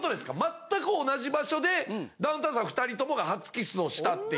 全く同じ場所でダウンタウンさん２人ともが初キスをしたっていう。